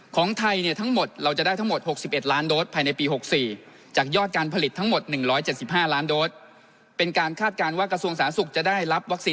ของไทยทั้งหมดเราจะได้ทั้งหมด๖๑ล้านโดส